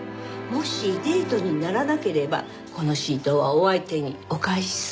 もしデートにならなければこのシートはお相手にお返しするって約束で。